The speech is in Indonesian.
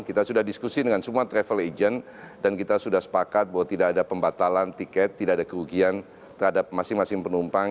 kita sudah diskusi dengan semua travel agent dan kita sudah sepakat bahwa tidak ada pembatalan tiket tidak ada kerugian terhadap masing masing penumpang